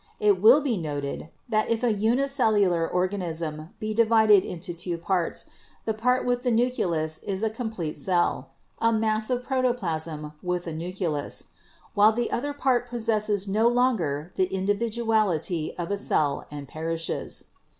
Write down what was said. It will be noted that if a unicellular organism be divided into two parts, the part with the nucleus is a complete cell (a mass of proto plasm with a nucleus), while the other part possesses no longer the individuality of a cell and perishes.